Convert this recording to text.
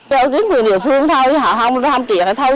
họ kiếm người địa phương thôi họ không làm chuyện này thôi